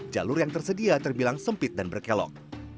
jalur yang tersedia terbilang sempit dan berkelok